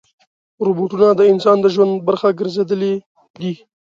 روبوټونه د انسان د ژوند برخه ګرځېدلي دي.